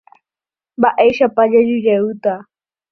Mba'éichapa jajujeýta.